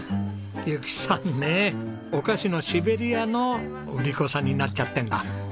由紀さんねえお菓子のシベリアの売り子さんになっちゃってるんだ。